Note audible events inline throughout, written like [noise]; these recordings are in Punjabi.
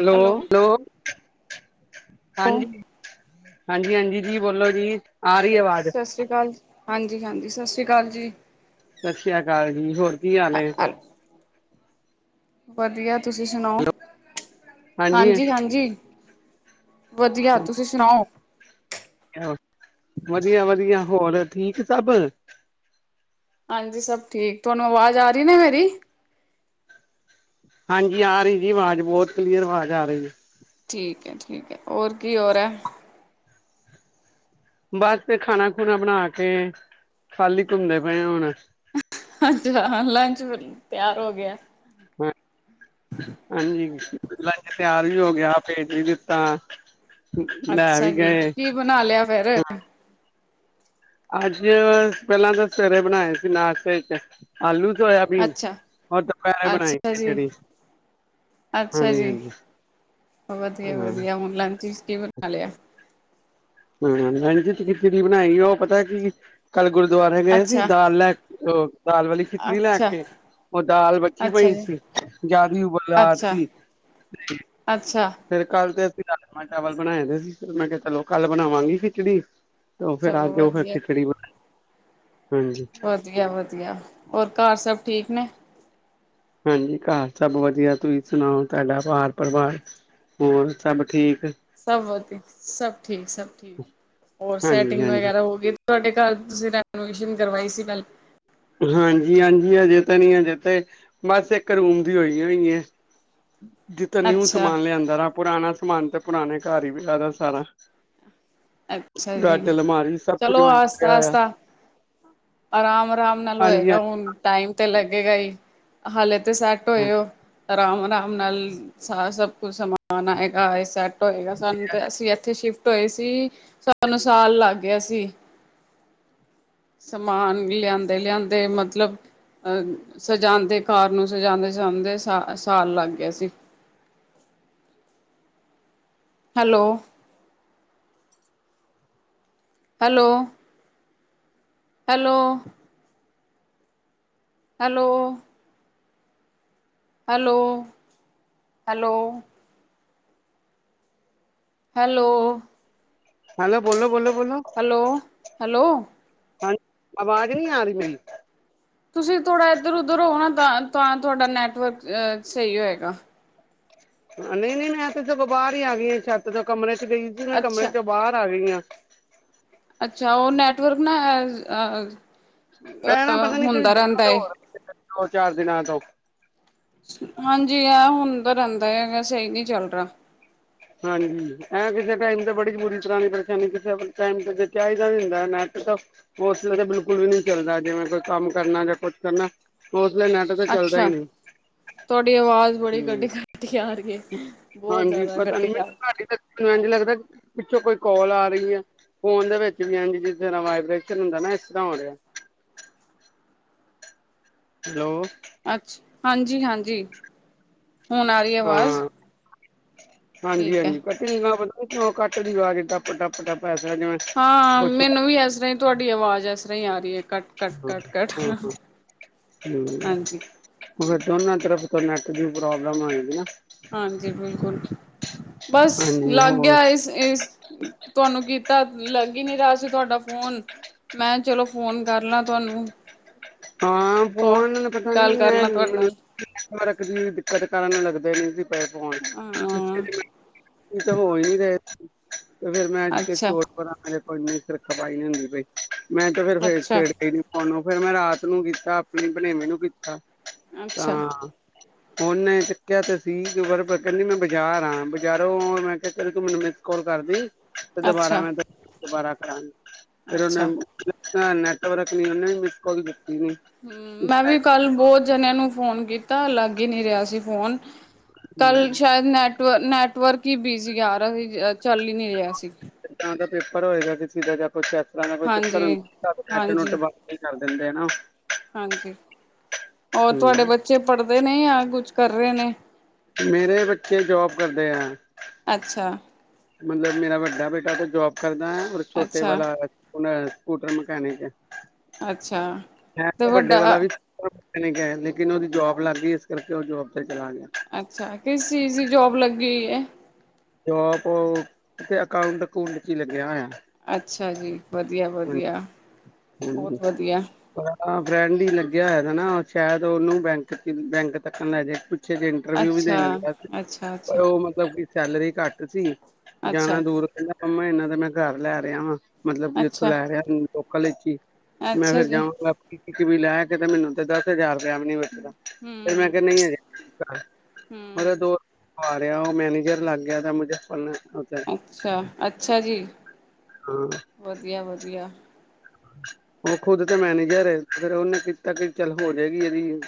ਹੈਲੋ ਹੈਲੋ ਹਾਂਜੀ। ਹਾਂਜੀ ਹਾਂਜੀ ਜੀ ਬੋਲੋ ਜੀ। ਆ ਰਹੀ ਆਵਾਜ਼। ਸਤਿ ਸ੍ਰੀ ਅਕਾਲ ਜੀ ਹਾਂਜੀ ਹਾਂਜੀ ਸਤਿ ਸ਼੍ਰੀ ਅਕਾਲ ਜੀ। ਸਤਿ ਸ੍ਰੀ ਅਕਾਲ ਜੀ ਹੋਰ ਕੀ ਹਾਲ ਐ। ਵਧੀਆ ਤੁਸੀਂ ਸੁਣਾਓ। ਹਾਂਜੀ ਹਾਂਜੀ। ਵਧੀਆ ਤੁਸੀਂ ਸੁਣਾਓ ਵਧੀਆ ਵਧੀਆ ਹੋਰ ਠੀਕ ਸਭ। ਹਾਂਜੀ ਸਭ ਠੀਕ ਤੁਹਾਨੂੰ ਅਵਾਜ਼ ਆ ਰਹੀ ਨਾ ਮੇਰੀ ਹਾਂਜੀ ਆ ਰਹੀ ਜੀ ਆਵਾਜ਼ ਬਹੁਤ ਕਲੀਅਰ ਆਵਾਜ਼ ਆ ਰਹੀ ਐ। ਠੀਕ ਹੈ ਠੀਕ ਹੈ ਹੋਰ ਕੀ ਹੋਰ ਹੈ। ਬਸ ਤੇ ਖਾਣਾ ਖੁਣਾ ਬਣਾ ਕੇ ਖਾਲੀ ਘੁੰਮਦੇ ਪਏ ਆ ਹੁਣ ਅੱਛਾ ਲੰਚ ਤਿਆਰ ਹੋ ਗਿਆ। ਹਾਂ ਹਾਂਜੀ ਲੰਚ ਤੇ ਆ ਹੋ ਗਿਆ ਭੇਜ ਹੀ ਦਿੱਤਾ। ਲੈ ਅੱਛਾ ਵੀ ਜੀ ਗਏ। ਕੀ ਬਣਾ ਲਿਆ ਫੇਰ ਅੱਜ ਪਹਿਲਾਂ ਤਾਂ ਸਵੇਰੇ ਬਣਾਏ ਸੀ ਨਾਸ਼ਤੇ ਚ ਆਲੂ ਸੋਇਆਬੀਨ। ਅੱਛਾ ਔਰ ਦੁਪਹਿਰੇ ਬਣਾਈ ਅੱਛਾ ਜੀ ਖਿਚੜੀ, ਅੱਛਾ ਹਾਂਜੀ, ਜੀ ਹਾਂਜੀ ਵਧੀਆ ਹਾਂ। ਵਧੀਆ ਹੁਣ ਲੰਚ ਕੀ ਬਣਾ ਲਿਆ। ਹਾਂ ਮੈਣ ਜਤ ਖਿੱਚੜੀ ਬਣਾਈ ਉਹ ਪਤਾ ਕੀ ਕੱਲ ਗੁਰਦੁਆਰੇ ਗਏ ਸੀ ਅੱਛਾ ਦਾਲ ਲੈ ਉਹ ਦਾਲ ਵਾਲੀ ਖਿਚੜੀ ਲੈ ਅੱਛਾ ਕੇ ਉਹ ਦਾਲ ਬਚੀ ਅੱਛਾ ਪਈ ਜੀ ਸੀ ਜ਼ਿਆਦੀ ਉਬਾਲ ਅੱਛਾ ਤੀ ਅੱਛਾ ਤੇ ਫੇਰ ਕੱਲ ਤੇ ਅਸੀਂ ਰਾਜਮਾਂ ਚਾਵਲ ਬਣਾਏ ਦੇ ਸੀ ਫਿਰ ਮੈਂ ਕਿਹਾ ਚਲੋ ਕੱਲ ਬਣਾਵਾਂਗੀ ਖਿਚੜੀ ਤਾਂ ਫੇਰ ਚਲੋ ਅੱਜ ਫ਼ਿਰ ਓ ਵਧੀਆ ਖਿੱਚੜੀ ਬਣਾਈ ਵਧੀਆ ਵਧੀਆ ਹੋਰ ਘਰ ਸਭ ਠੀਕ ਨੇ ਹਾਂਜੀ ਘਰ ਸਭ ਵਧੀਆ ਤੁਸੀਂ ਸੁਣਾਓ ਤੁਹਾਡਾ ਵਾਰ ਪਰਿਵਾਰ ਹੋਰ ਸਭ ਠੀਕ ਸਭ ਵਧਿਆ ਸਭ ਠੀਕ ਸਭ ਠੀਕ ਹੋਰ ਹਾਂਜੀ ਸੈਟਿੰਗ ਹਾਂਜੀ ਵਗੈਰਾ ਹੋ ਗਈ ਤੁਹਾਡੇ ਘੱਲ ਤੁਸੀਂ ਰੈਨੋਵੇਸ਼ਨ ਕਰਵਾਈ ਸੀ ਪਹਿਲਾਂ ਹਾਂਜੀ ਹਾਂਜੀ ਹਜੇ ਤਾਂ ਨੀ ਹਜੇ ਤੇ ਬਸ ਇੱਕ ਰੂਮ ਦੀ ਹੋਈ ਹੋਈ ਐ ਜਿੱਤਨਾ ਨਿਊ ਅੱਛਾ ਸਮਾਨ ਲਿਆਂਦਾ ਰ ਪੁਰਾਣਾ ਸਮਾਨ ਤੇ ਪੁਰਾਣੇ ਘਰ ਹੀ ਵੀ ਲਾਦਾ ਸਾਰਾ ਅੱਛਾ ਜੀ ਬੈਡ, ਅਲਮਾਰੀ ਸਭ ਕੁੱਝ ਚਲੋ ਵਹੀ ਪਿਆ ਆਸਤਾ ਹੋਇਆ ਆਸਤਾ ਆਰਾਮ ਆਰਾਮ ਨਾਲ ਹਾਂਜੀ ਹੋਏਗਾ ਹਾਂਜੀ ਹੁਣ ਟਾਈਮ ਤੇ ਲੱਗੇਗਾ ਜ ਹਾਲੇ ਤੇ ਅਤੇ ਸੈੱਟ ਹਾਂਜੀ, ਹੋਏਓ ਅਰਾਮ ਅਰਾਮ ਨਾਲ ਸਾਰਾ ਸਭ ਕੁ ਸਮਾਨ ਆਏਗਾ ਐ ਸੈ ਹੋਏਗਾ ਸਾਨੂੰ ਤੇ ਅਸੀਂ ਇੱਥੇ ਸ਼ਿਫਟ ਟੋਏ ਸੀ ਸਨੂੰ ਸਾਲ ਲੱਗ ਗਿਆ ਸੀ। ਸਮਾਨ ਲਿਆਂਦੇ ਲਿਆਂਦੇ ਮਤਲਬ ਅਹ ਸਜਾਉਂਦੇ ਕਾਰ ਨੂੰ ਸਜਾਉਂਦੇ ਸਜਾਉਂਦੇ ਸ ਸਾਲ ਲੱਗ ਗਿਆ ਸੀ। Hello hello hello hello hello hello hello hello ਬੋਲੋ ਬੋਲੋ ਬੋਲੋ ਹੈਲੋ ਹੈਲੋ ਹਾਂਜੀ ਆਵਾਜ਼ ਨਹੀਂ ਆ ਰਹੀ ਮੇਰੀ ਤੁਸੀਂ ਥੋੜ੍ਹਾ ਇੱਧਰ ਉਧਰ ਹੋ ਨਾ ਤਾਂ ਤਾਂ ਤੁਹਾਡਾ ਨੈਟਵਰਕ ਸਹੀ ਹੋਏਗਾ। ਨਹੀਂ ਨਹੀਂ ਮੈਂ ਤੇਥ ਬਾਹਰ ਹੀ ਆ ਗਈ ਛੱਤ ਤੋਂ ਕਮਰੇ ਗਈ ਸੀ ਮੈਂ ਕਮਰੇ ਅੱਛਾ। ਚੋਂ ਬਾਹਰ ਆ ਗਈ ਹਾਂ। ਅੱਛਾ, ਉਹ ਨੈਟਵਰਕ ਨਾ ਹੈ ਅ ਇਹ ਨਾ ਅਹ ਪਤਾ ਨੀ ਕੋਈ ਹੁੰਦਾ ਰਹਿੰਦਾ ਦਿੱਕਤ ਹੈ, ਹੋ ਰਹੀ ਹੈ ਦੋ ਚਾਰ ਦਿਨਾਂ ਤੋਂ ਹਾਂਜੀ, ਆ ਹੁ ਦਾ ਰਹਿੰਦਾ ਹੈਗਾ ਸਹੀ, ਨਹੀਂ ਚੱਲ ਰਿਹਾ। ਹਾਂਜੀ, ਐ ਕਿਸੇ ਟਾਈਮ ਤੇ ਬੜੀ ਬੁਰੀ ਤਰ੍ਹਾਂ ਦੀ ਪਰੇਸ਼ਾਨੀ ਕਿਸੇ ਟਾਈਮ ਤੇ ਚਾਹੀਦਾ ਵੀ ਹੁੰਦਾ, ਨੈਟ ਤਾਂ ਉਸ ਤਾਂ ਬਿਲਕੁਲ ਵੀ ਨੀ ਚੱਲਦਾ ਜਿਵੇਂ ਕੋਈ ਕੰਮ ਕਰਨਾ ਜਾਂ ਕੁੱਛ ਕਰਨਾ ਉਸ ਵੇਲੇ ਨੈਟ ਤਾਂ ਚੱਲਦਾ ਹੀ ਅੱਛਾ, ਨਹੀਂ ਤੁਹਾਡੀ ਆਵਾਜ਼ ਬੜੀ ਹੂੰ ਕੱਟੀ- ਕੱਟੀ ਆ ਰਹੀ ਬਹੁਤ ਜ਼ਿਆਦਾ ਹ ਕੱਟੀ ਆ ਰਹੀ। ਮੈਨੂੰ ਨੂੰ ਲੱਗਦਾ ਪਿੱਛੋਂ ਕੋਈ ਕਾਲ ਆ ਰਹੀ ਹੈ, ਫੋਨ ਦੇ ਵਿੱਚ ਵੀ ਹ ਜਿਸ ਤਰ੍ਹਾਂ ਵਾਈਬੇਸ਼ਨ ਹੁੰਦਾ ਨਾ ਇਸ ਤਰ੍ਹਾਂ ਹੋ ਰਿਹਾ। ਹੈਲੋ। ਅੱਛ, ਹਾਂਜੀ-ਹਾਂਜੀ। ਹੁਣ ਆ ਰਹੀ ਆਵਾਜ਼। ਠੀਕ ਹੈ ਹਾਂਜੀ-ਹਾਂਜੀ ਕਟਿ ਨਾ ਕੱਟਦੀ ਆਾਜ ਡੱਪ ਟੱਪ ਟੱ [unintelligible] ਹਾਂ, ਮੈਨੂੰ ਵੀ ਇਸ ਤਰ੍ਹਾਂ ਹੀ ਤੁਹਾਡੀ ਆਵਾਜ਼ ਏਸ ਸਾਈ ਅਰੀ ਐ ਹਮ ਹਾਂਜੀ ਮ ਦੋਨਾਂ ਤਰਫ [unintelligible] ਨੈਟ ਦੀ ਪ੍ਰੋਬਲਮ ਹੋਏਗੀ ਨਾ। ਹਾਂਜੀ, ਬਿਲਕੁਲ। ਬਸ ਹਾਂਜੀ ਲੱਗ ਗਿਆ ਹੋਰ ਇਸ, ਇਸ ਤੁਹਾਨੂੰ ਕੀ ਤ ਲੱਗ ਹੀ ਨੀ ਦਾ ਕੀ ਤਵਾਦਾ ਫੋਨ, ਮੈ ਚਲੋ ਫੋਨ ਕਰਲਾ ਤਵਾ ਤਵਾਂ ਹਾਂ, ਫੋਨ ਪਤਾ ਨੀਂ ਕਰ ਲਾਂ ਤੁਹਾਡੇ [unintelligible] ਨਾਲ ਪਹੁੰਚੇ ਹਾਂ ਇਹ ਤਾਂ ਹੋ ਹੀ ਰਹੇ ਫਿਰ ਮੈ ਅੱਛਾ [unintelligible] ਹਨਿਤਰ ਖਪਾਈ ਹੁੰਦੀ ਪਾਈ ਮੈਂ ਤੇ ਫੇਰ-ਫੇਰ ਅੱਛਾ ਛੇੜ ਤੀ ਸੀ ਫਿਰ ਮੈਂ ਰਾਤ ਨੂੰ ਕੀਤਾ ਆਪਣੀ ਬਣੇਵੇਂ ਨੂੰ ਕੀਤਾ ਅੱਛਾ ਹਾਂ ਉਹਨੇ ਚੱਕਿਆ ਤੇ ਸੀ, ਕਹਿੰਦੀ ਮੈਂ ਬਾਜ਼ਾਰ ਆ ਬਜ਼ਾਰੋਂ ਮੈਂ ਕਿਹਾ ਚੱਲ ਤੂੰ ਮੈਨੂੰ ਮ ਕਾਲ ਕਰਦੀ ਤੇ ਦੁਬਾਰਾ ਮੈਂ, ਅੱਛਾ-ਅੱਛਾ ਦੁਬਾਰਾ ਹਾਂ ਫਿਰ ਉਹਨ ਹੂੰ ਹ ਨੈਟਵਰਕ ਨੀ ਓਨੇ ਮਿਸ ਕੋਲ ਹੂੰ, ਮੈਂ ਵੀ ਕੱਲ ਬਹੁਤ ਜਣਿਆਂ ਨੂੰ ਫੋਨ ਕੀਤਾ ਅਲੱਗ ਹੀ ਨਹੀਂ ਰਿਹਾ ਸੀ ਫੋਨ ਕੱਲ ਟਾਈਮ ਸ਼ਾਇਦ ਨੈੱਟ ਵਰਕ ਨੈੱਟਵਰਕ ਹੀ ਬਿਸੀ ਗਿਆ ਰਿਹਾ ਸੀ ਚੱਲ ਹੀ ਨਹੀਂ ਰਿਹਾ ਸੀ ਕਿਦਾਂ ਦਾ ਪੇਪਰ ਹੋਏਗਾ ਤੇ [unintelligible] ਪੁਰਾਣਾ ਕੋਈ ਚੱਕਰ ਹੁੰ ਹਾਂਜੀ, ਤਦ ਨੈੱਟ ਨੁੱਟ ਹਾਂਜੀ, ਬੰਦ ਕਰਦੇ ਦਿੰਦੇ ਨਾ ਹਾਂਜੀ, ਔਰ ਹੂੰ ਤੁਹਾਡੇ ਬੱਚੇ ਪੜਦੇ ਨੇ, ਯ ਕੁਛ ਕਰ ਰਹੇ ਨੇ। ਮੇਰੇ ਬੱਚੇ ਜੋਬ ਕਰਦੇ ਹੈ। ਅੱਛਾ ਮਤਲਬ, ਮੇਰਾ ਵੱਡਾ ਬੇਟਾ ਕੋਈ ਜੋਂਬ ਕਰਦਾ ਹੈ ਓਰ ਛੋਟੇ ਅੱਛਾ, ਵਾਲਾ ਹੁਣ ਸਕੂਟਰ ਮਕੈਨਿਕ ਏ। ਅੱਛਾ ਤੇ ਵੱਡਾ ਮਕੇਨਿਕ ਏ ਲੇਕਿਨ ਉਹਦੀ ਜੋਬ ਲੱਗ ਗਈ ਇਸ ਕਰਕੇ ਉਹ ਜੋਬ ਤੇ ਚਲਾ ਗਿਆ। ਅੱਛਾ, ਕਿਸ ਚੀਜ਼ ਦੀ ਜੋਬ ਲੱਗੀ ਗਈ ਹੈ। ਜੋਬ ਉਹ ਕਿਥੇ ਅਕਾਊਂਟ ਉਕੁਊਂਟ ਚ ਹੀ ਲੱਗਿਆ ਹੋਇਆ। ਅੱਛਾ ਜੀ। ਵਧੀਆ, ਵਧੀਆ ਹਾਂਜੀ। ਬਹੁਤ ਵਧੀਆ। ਆਹ ਫਰੈਂਡ ਹੀ ਲੱਗਿਆ ਹੈਗਾ ਨਾ ਸ਼ਾਇਦ ਉਹਨੂੰ ਬੈਂਕ ਚ ਬੈਂਕ ਤੱਕਨ ਲੈ ਜੇ। ਪਿਛੇ ਜੇ ਇੰਟਰਵਿਊ ਵੀ ਅੱਛਾ, ਦੇਣ ਗਿਆ ਸੀ ਅੱਛਾ, ਪਰ ਅੱਛਾ, ਉਹ ਮਤਲਬ ਕਿ ਸੈਲਰੀ ਘੱਟ ਸੀ ਜਾਣਾ ਅੱਛਾ ਦੂਰ ਪੈਂਦਾ ਮੰਮਾ ਇਹਨਾਂ ਤਾ ਮੈਂ ਘਰ ਲੈ ਰਿਹਾ ਵਾ। ਮਤਲਬ ਕਿ ਉਥੋਂ ਅੱਛਾ, ਲੈ ਰਿਆ ਏ। ਲੋਕਲ ਚ ਮੈਂ ਅੱਛਾ ਫਿਰ ਜੀ। ਜਾਵਾਂਗਾ। ਵੀ ਲੈ ਕੇ ਤੇ ਮੈਨੂੰ ਤੇ ਦਸ ਹਜ਼ਾਰ ਟੈਮ ਨ ਬਚਦਾ, ਤੇ ਮੈਂ ਹੂੰ, ਕਿਹਾ ਨਹੀਂ ਅਜੇ ਮਤਲਬ ਹੂੰ। ਦੋ ਆ ਰਿਹਾ ਉਹ ਮੈਨੇਜਰ ਲੱਗ ਗਿਆ ਦਾ ਮੁਜ਼ਫਰਨਗਰ। ਅੱਛਾ, ਅੱਛਾ ਜੀ। ਹਾਂ ਵਧੀਆ, ਵਧੀਆ। [unintelligible] ਉਹ ਖੁਦ ਤੇ ਮੈਨੇਜਰ ਏ। ਫਿਰ ਉਹਨੇ ਕੀਤਾ ਕਿ ਚੱਲ ਹੋ ਜੇਗੀ ਇਹਦੀ,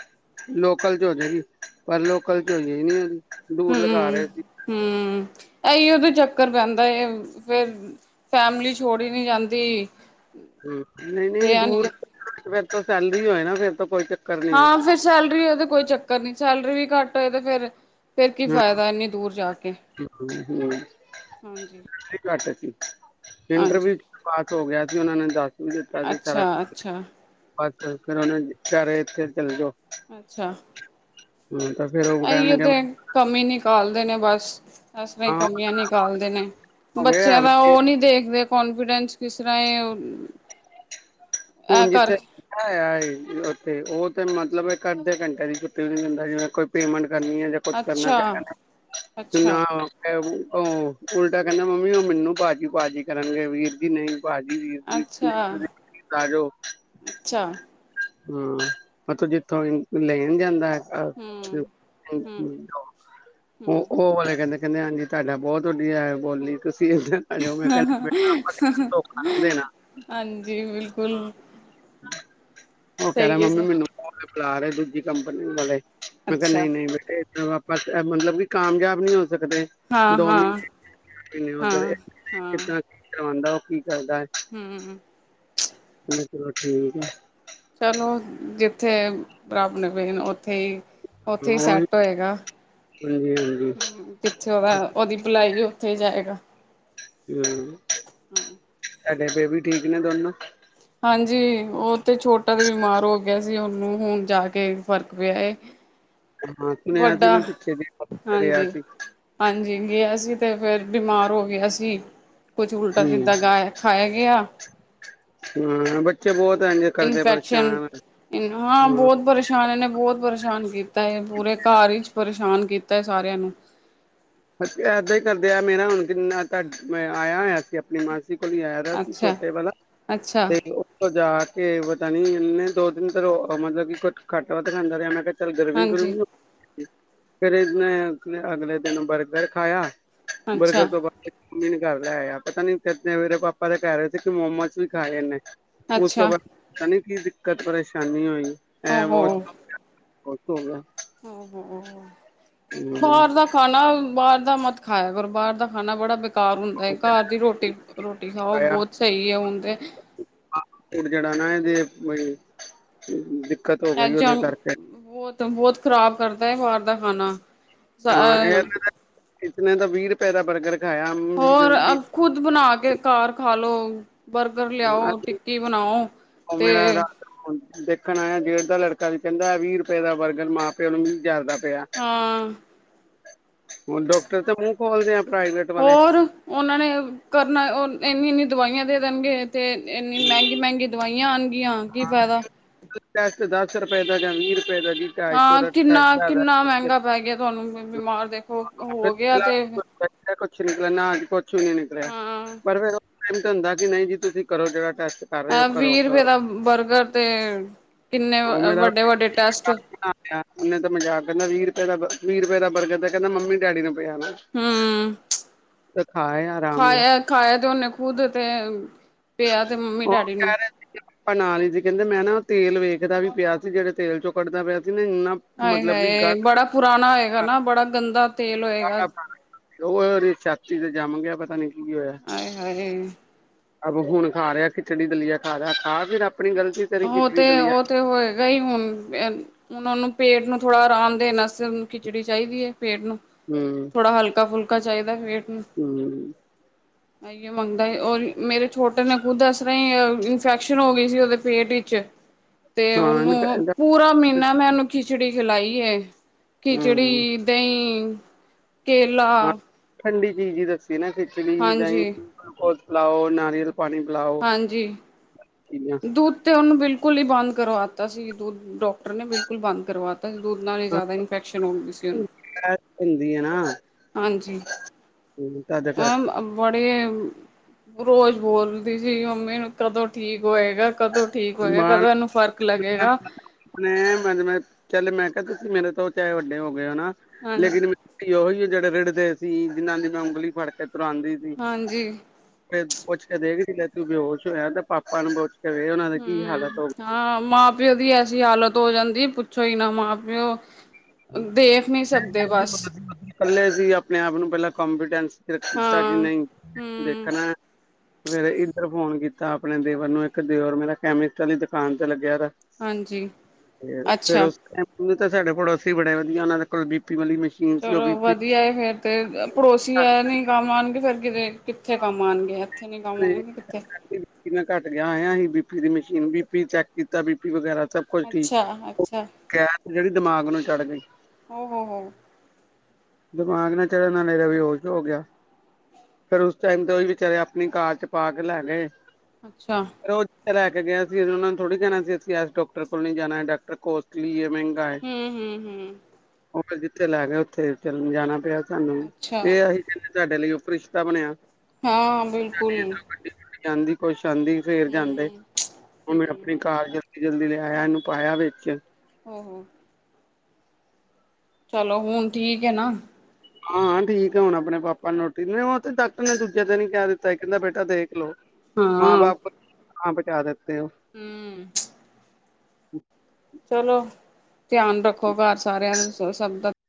ਲੋਕਲ ਚ ਹੋ ਜੇਗੀ, ਪਰ ਲੋਕਲ ਚ ਹੋਜੇ ਨਹੀਂ ਉਹਦੀ। ਦੂਰ ਲਗਾ ਹੂੰ, ਰਹੇ ਸੀ ਹੂੰ। ਇਹੀਉ ਤੇ ਚੱਕਰ ਪੈਂਦਾ, ਫਿਰ ਫੈਮਲੀ ਛੋੜੀ ਨਹੀਂ ਜਾਂਦੀ। ਨਹੀਂ, ਨਹੀਂ ਰਿਹਾ ਨੀ ਦੂਰ ਜਾ ਸੈਲਰੀ ਹੋਏ ਨਾ ਫੇਰ ਤਾਂ ਕੋਈ ਚੱਕਰ ਨੀ ਆ। ਹਾਂ ਫਿਰ ਸੈਲਰੀ ਹੋਈ ਤੇ ਕੋਈ ਚੱਕਰ ਨਹੀਂ ਸੈਲਰੀ ਵੀ ਘੱਟ ਹੋਏ ਤੇ ਫਿਰ ਫਿਰ ਕੀ ਹਾਂ ਫਾਇਦਾ ਇਨੀ ਦੂਰ ਜਾ ਕੇ, ਹੂੰ ਹੂੰ, ਹਾਂਜੀ। ਸੈਲਰੀ ਘੱਟ ਸੀ ਇੰਟਰਵਿਊ ਹਾਂਜੀ, ਵਿਚ ਪਾਸ ਹੋ ਗਿਆ। ਉਹਨਾਂ ਨੇ ਦੱਸ ਦਿੱਤਾ ਨੇ ਸਾਰਾ ਅੱਛਾ, ਕੁਝ, ਅੱਛਾ, ਪਰ ਫੇਰ ਉਹਨੇ ਵਿਚਾਰੇ ਇੱਥੇ ਚਲੇ ਜਾਓ। ਅੱਛਾ। [inaudible] ਉਹ ਕਹਿਣ ਅਹੀਏ ਲੱਗਿਆ ਤੇ ਕਮੀ ਨੀ ਨਿਕਾਲਦੇ ਨੇ ਬਸ। ਇਸ ਤਰ੍ਹਾਂ ਹਾਂ ਕਮੀਆਂ ਨਿਕਾਲਦੇ ਨੇ ਹੋ ਗਿਆ ਬੱਚਿਆਂ ਦਾ ਵੀ ਉਹ ਨੀ ਦੇਖਦੇ ਕੌਨਫੀਡੈਂਸ ਕਿਸ ਤਰ੍ਹਾਂ ਹੁਣ ਜਿੱਥੇ ਕਰਕੇ ਲੱਗਾ ਐ ਉੱਥੇ ਉਹ ਤੇ ਮਤਲਬ ਇੱਕ ਅੱਧੇ ਘੰਟੇ ਦੀ ਛੁੱਟੀ ਤੇ ਵੀ ਨੀ ਜਾਂਦਾ ਜਿਵੇਂ ਕੋਈ ਪੇਮੈਂਟ ਕਰਨੀਆਂ ਜਾਂ ਕੁਛ ਕਰਨਾ ਅੱਛਾ, ਕਰਨਾ ਅੱਛਾ, ਚਾਹੀਦਾ ਨਾ ਉਹਹ ਉਲਟਾ ਕਹਿੰਦਾ ਮੰਮੀ ਉਹ ਮੈਨੂੰ ਬਾਜੀ ਪਾਜੀ ਕਰਨਗੇ ਵੀਰ ਜੀ ਨਹੀਂ ਭਾਜੀ ਵੀਰ ਜੀ। ਹੈਲੋ। ਚਾ। ਹੂੰ ਮੈਂ ਕਿਆ ਵੇਖਾਂਗੇ ਲੈ ਨੀ ਜਾਂਦਾ। ਅੱਛਾ ਹੂੰ। ਹੂੰ, ਉਹ ਹੂੰ ਉਹ ਵਾਲੇ ਕਹਿੰਦੇ ਕਹਿੰਦੇ ਹਾਂਜੀ ਤੁਹਾਡਾ ਬਹੁਤ ਵੱਡੀਆ ਹੈ ਬੋਲੀ ਇੱਧਰ ਆ ਜਾਓ ਮੈਂ ਕਹਿੰਦਾ ਬੇਟਾ ਆਪਾਂ ਕਿਸੇ ਨੂੰ ਧੋਖਾ ਨਹੀਂ ਦੇਣਾ ਹਾਂਜੀ ਬਿਲਕੁਲ। ਕੁੱਲ ਉਹ ਕਹਿ ਰਿਹਾ ਮੰਮੀ ਮੈਨੂੰ ਬੁਲਾ ਰੇ ਦੂਜੀ ਕੰਪਨੀ ਵਾਲੇ ਮੈਂ ਕਿਹਾ ਅੱਛਾ। ਨਹੀਂ ਨਹੀਂ ਬੇਟੇ ਆਪਾ ਮਤਲਬ ਕਿ ਕਾਮਯਾਬ ਨੀ ਹੋ ਦੋ ਮਹੀਨੇ ਇਧਰ ਹਾਂ, ਦੋ ਹਾਂ, ਮਹੀਨੇ ਉਧਰ ਹਾਂ, ਕਿਦਾ ਕੀ ਕਰਾਂਦਾ ਹੂ ਚਲੋ ਠੀਕ ਆ। ਚਲੋ ਜਿੱਥੇ ਰੱਬ ਨੇ ਭੇਜਨਾ ਉੱਥੇ ਹੀ ਉੱਥੇ ਹੀ ਹਾਂ ਉਹੀ ਸੈਟ ਹੋਏਗਾ ਹ ਹਾਂਜੀ ਹਾਂਜੀ ਜਿੱਥੇ ਉਹਦਾ ਉਹਦੀ ਭਲਾਈ ਵੀ ਉੱਥੇ ਹੀ ਜਾਏਗਾ। ਹੂ ਸਾਡੇ ਬੇਬੀ ਠੀਕ ਨੇ ਦੋਨੋ। ਹਾਂਜੀ ਉਹ ਤੇ ਛੋਟਾ ਤੇ ਬਿਮਾਰ ਹੋ ਗਿਆ ਸੀ ਉਹਨੂੰ ਹੁਣ ਜਾ ਕੇ ਫ਼ਰਕ ਪਿਆ। ਹਾਂ ਸੁਣਿਆ ਸੀ ਵੱਡਾ ਮੈਂ ਪਿੱਛੇ ਜੇ ਕਰਿਆ ਹਾਂਜੀ ਸੀ ਹਾਂਜੀ ਗਿਆ ਸੀ। ਤੇ ਫਿਰ ਬਿਮਾਰ ਹੋ ਗਿਆ ਸੀ ਕੁਝ ਉਲਟਾ ਸਿੱਧਾ ਗਾਇਆ ਖਾਇਆ ਗਿਆ ਹਮ ਬਟ ਇਨਫੈਕਸ਼ਨ। ਹਾਂ ਬਹੁਤ ਪਰੇਸ਼ਾਨ ਇਨੇ ਬਹੁਤ ਪਰੇ ਪਰੇਸ਼ਾਨ ਕੀਤਾ ਹੈ। ਪੂਰੇ ਘਰ ਹੀ ਅਸੀਂ ਇਦਾਂ ਹੀ ਕਰਦੇ ਆ ਕੋਲ ਆਇ ਰਿਹਾ ਸੀ। ਅੱਛਾ, ਛੋਟੇ ਵਾਲਾ ਅੱਛਾ, ਤੇ ਉਥੋਂ ਜਾ ਕੇ ਕੇ ਪਤਾ ਨੀ ਇਹ ਨੇ ਦੋ ਦਿਨ ਤੇ ਰ ਮਤਲਬ ਕਿ ਕੁੱਛ ਖੱਟ ਵ ਤੇ ਖਾਂਦਾ ਰਿਹਾ ਮੈਂ ਚ ਗਰਵਿੰਗ ਕਰ ਹਾਂਜੀ, ਫਿਰ ਇਹ ਮੈਂ ਅ ਅਗਲੇ ਦਿਨ ਵਰ ਬਰਗਰ ਖਾਇਆ ਬਰਗਰ ਅੱਛਾ, ਤੋਂ ਬਾਅਦ ਫਿਰ ਮੈਨੂੰ ਕਰ ਲੈ ਆ ਪਤਾ ਨੀ ਤਨੇ ਮੇਰੇ ਪਾਪਾ ਦੇ ਕਹਿ ਰਹੇ ਸੀ ਕਿ ਮੋਮੋਸ ਵੀ ਖਾ ਜਾਂਦੇ ਉਹ ਤੋਂ ਅੱਛਾ। ਬਾਦ ਕੀ ਦਿੱਕਤ ਪਰੇਸ਼ਾਨੀ ਹੋਈ,, ਅ ਬ [unintelligible] ਹੋਕਗਾ [unintelligible] ਹਮ, ਹਮ। ਹੂੰ ਬਾਹਰ ਦਾ ਖਾਣਾ ਬਾਹਰ ਦ ਮਤ ਖਾਇਆ ਗੁਰਬਾਹਾਰ ਦਾ ਖਾਣਾ ਬੜਾ ਘਰ ਹੁੰਦਾ ਹੈ ਘਰ ਦੀ ਰੋਟੀ ਖਾਓ ਫਾਸਟਫੂਡ ਬਹੁਤ ਸਹੀ ਹੈ ਓ ਤੇ ਬ ਅੱਜ ਬਹੁਤ ਬਹੁਤ ਬਾਹਰ ਦਾ ਖਾਣਾ ਖ਼ਰਾਬ ਕਰਦਾ ਹੈ। ਹਾਂ ਇਸਨੇ ਤੇ ਕਿਤਨੇ ਦਾ ਵੀਹ ਰੁਪਏ ਦਾ ਬਰਗਰ ਖਾਇਆ ਹੋਰ ਖੁਦ ਬਣਾ ਕੇ ਘਰ ਖਾਲੋ ਹ ਬਰਗਰ ਲਿਆਓ ਟਿੱਕੀ ਬਣਾਓ ਉਹ ਤੇ ਮੇਰਾ ਰਾਤ ਹੁਣ ਦੇਖਣ ਆਇਆ ਗੇੜ ਦਾ ਲੜਕਾ ਵੀ ਕਹਿੰਦਾ ਵੀਹ ਰੁਪਏ ਦਾ ਬਰਗਰ ਮਾਂ ਪਿਓ ਨੂੰ ਮੀਹ ਜਾਦਾ ਹਾਂ ਉਹ ਡਾਕਟਰ ਤਾਂ ਮੂੰਹ ਖੋਲਦੇ ਪ੍ਰਾਈਵੇਟ ਵਾਲੇ ਹੋਰ ਉਹਨਾਂ ਨੇ ਕਰਨਾ ਉਹ ਇੰਨੀ ਇਨੀ ਦਵਾਈਆਂ ਦੇ ਦੇਣਗੇ। ਤੇ ਇੰਨੀ ਮਹਿੰਗੀ, ਮਹਿੰਗੀ ਦਵਾਈਆਂ ਆਉਣਗੀਆਂ ਕੀ ਫਾਇਦਾ। ਦਾਸਰਪ ਇਹਦਾ ਵੀਰ ਹਾਂ ਕਿੰਨਾ ਕਿੰਨਾ ਮਹਿੰਗਾ ਪੈ ਗਿਆ ਤੁਹਾਨੂੰ ਬਿਮਾਰ ਦੇਖੋ ਹੋ ਗਿਆ ਤੇ। [unintelligible] ਸ਼ੂਨਨ ਕਰ ਰਿੇ ਹਾਂ ਬਰ ਬ [unintelligible] ਤਾਂ ਹੁੰਦਾ ਕਿ ਨਹੀਂ ਜੀ। ਤੁਸੀਂ ਕਰੋ ਜੇੜ ਟੈਸਟ ਕਰ ਰਹੇ ਹੋ ਅ ਘੋ ਵੀਹ ਕਰੋ ਰੁਪਏ ਦਾ ਬਰਗਰ ਤੇ ਕਿੰਨੇ ਮੇਰੇ ਵੱਡੇ ਵੱਡੇ ਟੈਸਟ ਤਾਂ ਮਜ਼ਾਕ ਕਹਿੰਦਾ ਵੀਹ ਰੁਪਏ ਦਾ- ਵੀਹ ਰੁਪਏ ਦਾ ਬਰਗਰ ਹੈ। ਕਹਿੰਦਾ ਮੰਮੀ, ਡੈਡੀ ਨੂੰ। ਹੂੰ [unintelligible] ਆਰਾਮ ਨਾਲ ਖਾਇਆ, ਖਾਇਆ ਤੇ ਉਹਨੇ ਖੁਦ ਤੇ। ਪਿਆ ਤੇ ਮੰਮੀ, ਡੈਡੀ ਨੂੰ। ਪਰਣਾਲੀ ਜੀ ਕਹਿੰਦੇ ਮੈਂ ਨਾ ਤੇਲ ਵੇਖਦਾ ਵੀ ਪਿਆ ਸੀ ਜਿਹੜੇ ਤੇਲ ਚੋਂ ਕੱਢਦਾ ਪਿਆ ਸੀ ਨਾ ਇੰਨਾ ਹਾਏ, ਮਤਲਬ ਕਿ ਹਾਏ ਗੜ ਬੜਾ ਪੁਰਾਣਾ ਹੈਏਗਾ। ਨਾ ਬੜਾ ਗੰਦਾ। ਤੇਲ ਹੋਏਗਾ ਉਹ ਛਾਤੀ ਤੇ ਜਾਵਾਂਗੇ। ਆਪ [unintelligible] ਹੈ ਨੀ ਆ ਗਏ। ਅੋ ਹੁਣ ਖਾ ਰਿਹਾ ਖਿਚੜੀ ਦਲੀਆ ਖਾ ਰਿਹਾ ਖਾ। ਫਿਰ ਆਪਣੀ ਗਲਤੀ ਤੇਰੀ ਉਹ ਖਿਚੜੀ ਤੇ, ਦਲੀਆ ਉਹ ਤੇ ਹੋਏਗਾ ਹੀ ਹੁਣ ਹੁਣ ਉਹਨੂੰ ਪੇਟ ਨੂੰ ਥੋੜਾ ਆਰਾਮ ਦੇਣ ਵਾਸਤੇ ਖਿਚੜੀ ਚਾਹੀਦੀ ਹੈ। ਪੇਟ ਨੂੰ ਥੋੜਾ ਹਲਕਾ, ਫੁਲਕਾ ਚਾਹੀਦਾ ਵੇ ਹਮ। ਆਈਏ ਮੰਗਦਾ ਔਰ ਮੇਰੇ ਛੋਟੇ ਨੇ ਖੁੱਦ ਇਸ ਤਰ੍ਹਾਂ ਹੀ ਇਨਫੈਕਸ਼ਨ ਹੋ ਗਈ ਸੀ। ਪੇਟੀ ਚ ਤੇ ਹਾਂ ਨੀ ਉਹਨੂੰ ਪੈਂਦਾ ਪੂਰਾ ਮਹੀਨਾ ਮੈਂ ਉਹਨੂੰ ਖ ਖਿਚੜੀ ਖਿਲਾਈ ਹੈ। ਹੂੰ ਖਿਚੜੀ-ਦਹੀਂ। ਕੇਲਾ। ਹਾਂ ਠੰਡੀ ਚੀਜ਼ ਹੀ ਦ ਸੀ ਨਾ ਖਿਚੜ- ਦਾਹੀਂ। ਹਾਂਜੀ ਲਾਓ ਨਾਰੀਅਲ ਪਾਣੀ ਪਿਲਾਓ ਹਾਂਜੀ ਚੀਜ਼ਾਂ ਦੁੱਧ ਤੇ ਉਹਨੂੰ ਬਿਲਕੁਲ ਹੀ ਬੰਦ ਕਰਵਾਤਾ ਸੀ ਦੁੱਧ ਡਾਕਟਰ ਨੇ ਬਿਲਕੁਲ ਬੰਦ ਕਰਵਾਤਾ ਦੁੱਧ ਨਾਲ ਹੀ ਹਾਂ, ਜ਼ਿਆਦਾ ਇਨਫੈਕਸ਼ਨ ਹੋਦੀ ਸੀ ਉਹਨੂੰ ਗੈਸ ਹੁੰਦੀ ਹੈ ਨਾ ਹਾਂਜੀ ਹੂੰ, ਤਦ ਕਰ ਮ ਬੜੇ ਰੋਜ਼ ਬੋਲਦੀ ਸੀ ਮੰਮੀ ਨੂੰ ਕਦੋਂ ਠੀਕ ਹੋਏਗਾ ਕਦੋਂ ਠੀਕ ਹੋਏਗਾ ਮਾਨ ਕਦੋਂ ਇਹਨੂੰ ਫ਼ਰਕ ਲੱਗੇਗਾ ਆਪਣੇ ਮੈਂ ਮੈਂ ਚੱਲ ਮੈਂ ਤੁਸੀਂ ਮੇਰੇ ਤੋਂ ਚਾਹੇ ਵੱਡੇ ਹੋ ਹਨਾ ਹਾਂਜੀ ਲੇਕਿਨ ਮੂੰ ਉਹੀ ਜਿਹੜੇ ਰਿੜਦੇ ਸੀ ਜਿਹਨਾਂ ਦੀ ਮੈਂ ਉਂਗਲੀ ਫੜ ਕੇ ਤੁਰਾਂਦੀ ਸੀ ਹਾਂਜੀ ਫ ਪੁਛ ਕੇ ਦੇਖਦੀ ਲੈ ਤੂੰ ਬੇਹੋਸ਼ ਹੋਇਆ ਤੇ ਪਾਪਾ ਨੂੰ ਬਹ ਹੂੰ, ਹਾਂ ਮਾਂ ਪਿਓ ਦੀ ਐਸੀ ਹਾਲਤ ਹੋ ਜਾਂਦੀ। ਪੁੱਛੋ ਹੀ ਨਾ ਮਾਂ ਪਿਓ? ਦੇਖ ਨਹੀਂ ਸਕਦੇ ਬਸ ਇਕੱਲੇ ਸੀ ਆਪਣੇ ਆਪ ਨੂੰ ਪਹਿਲਾਂ ਕੋਂਫੀਡੈਂਸ ਕੀਤਾ ਕਿ ਹਾਂ ਨਹੀਂ ਹੂੰ ਦੇਖਣਾ। ਸਵੇਰੇ ਇੱਧਰ ਫੋਨ ਕੀਤਾ ਆਪਣੇ ਦੇਵਰ ਨੂੰ ਇੱਕ ਦਿਓਰ ਮੇਰਾ ਕੈਮੀਕਲ ਆਲੀ ਦੁਕਾਨ ਤੇ ਲੱਗਿਆ ਹੋਇਆ। ਹਾਂਜੀ ਤੇ ਫਿਰ ਅੱਛਾ ਉਸ ਤ ਤੇ ਸਾਡੇ ਕੋਲੇ, ਬੜੇ ਵਧੀਆ ਉਹਨਾਂ ਦੇ ਕੋਲ ਸੀ ਉਹ ਚਲੋ ਬੀਪੀ ਵਧੀਆ ਫੇਰ ਤੇ ਪੜੋਸੀ ਆ ਨੀ ਕੰਮ ਆਣ ਗੇ ਫੇਰ ਕਿਵੇ, ਕਿੱਥੇ ਕੰਮ ਆਣਗੇ ਇੱਥੇ ਨੀ ਕੰਮ ਆਣਗੇ ਕਿੱਥੇ, ਬੀਪੀ ਸੀਨ ਬੀ ਪੀ ਚੈੱਕ ਕੀਤਾ ਬੀ ਪੀ ਵਗੈਰਾ, ਸਭ ਕੁਛ ਠੀਕ ਅੱਛਾ ਉਹ ਅੱਛਾ ਗੈਸ ਜਿਹੜੀ ਦਿਮਾਗ ਨੂੰ ਚੜ ਗਈ। ਹੋ ਹੋ ਹੋ ਦਿਮਾਗ ਨਾਲ ਚੜ ਨਾਲੇ ਰਾ ਵੀ ਹੋਸ਼ ਹੋ ਗਿਆ ਫੇਰ ਉਸ ਟਾਈਮ ਤੇ ਵੀ ਵਿਚਾਰੇ ਆਪਣੀ ਕਾਰ ਚ ਪਾ ਕੇ ਲੈ ਗਏ। ਅੱਛਾ, ਫਿਰ ਉਹ ਜਿੱਥੇ ਲੈ ਕੇ ਗਿਆ ਸੀ ਉਹਨਾਂ ਨੂੰ ਥੋੜੀ ਕਹਿਣਾ ਸੀ ਅਸੀਂ ਇਸ ਡਾਕਟਰ ਕੋਲ ਨੀ ਜਾਣਾ ਹੈ ਡਾਕਟਰ ਕੋਲ ਕੀ ਐ। ਮਹਿੰਗਾ ਹੈ ਹੂੰ ਹੂੰ ਹੂੰ ਉਹ ਜ ਲੈ ਗਿਆ ਉੱਥੇ, ਚਲ ਜਾਣਾ ਪਿਆ। ਸਾਨੂੰ ਅੱਛਾ ਇਹ ਅਸੀ, ਸਾਡੇ ਲਈ ਉਹ ਪ੍ਰੀਸ਼ਤਾ ਬਣਿਆ। ਹਾਂ ਬਿਲਕੁਲ, ਜਾਂਦੀ ਕੋਈ, ਜਾਦੀ ਫੇਰ ਜਾਂਦੇ ਹੂੰ ਉਵੇਂ ਹੂੰ ਆਪਣੀ ਕਾਰਜ ਜਲਦੀ ਲੇ ਆਇਆ ਇਹਨੂੰ ਪਾਇਆ ਵਿੱਚ ਹੋ-ਹੋ। ਚਲੋ, ਹੁਣ ਠੀਕ ਏ ਨਾ? ਹਾਂ ਠੀਕ ਆ ਹੁਣ ਆਪਣੇ ਪਾਪਾ [unintelligible] ਉਹ ਤੇ ਡਾਕਟਰ ਨੇ ਦੂਜੇ ਦਿਨ ਹੀ ਕਹਿ ਦਿੱਤਾ, ਕਹਿੰਦਾ ਬੇਟਾ ਦੇਖ ਲੋਓ। ਮਾਂ ਬਾਪ ਹਾਂ ਬਚਾ ਦੇ, ਹੂੰ। [unintelligible] ਚਲੋ, ਧਿਆਨ ਰੱਖੋ ਘਰ ਸਾਰਿਆਂ ਦਾ ਸ਼ਬ ਦਾ,